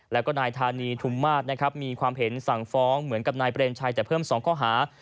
แล้วก็นายธานีทุมมาศนะครับมีความเห็นสั่งฟ้องเหมือนกับนายเปรมชัยแต่เพิ่ม๒ข้อหา